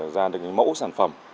ra được những mẫu sản phẩm